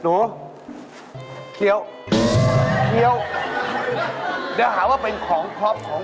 บอกเลยว่าเป็นสตอร์ที่หาซื้อได้ทั่วไป